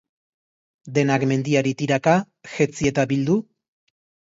Denak mendiari tiraka, jetzi eta bildu?